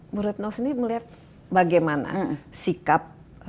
menurut nosny melihat bagaimana sikap